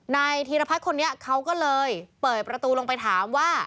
นายธีรพัฒน์คนนี้เขาก็เลยเปิดประตูลงไปถามว่า